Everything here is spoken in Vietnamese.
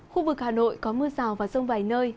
khu vực hà nội có mưa rào và rông vài nơi